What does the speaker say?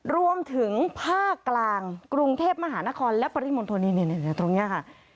รวมถึงภาคกลางกรุงเทพมหานครและปริมณฑลตรงนี้ค่ะ